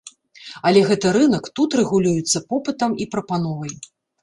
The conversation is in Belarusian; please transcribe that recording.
Але гэта рынак, тут рэгулюецца попытам і прапановай.